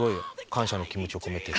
感謝の気持ちを込めて。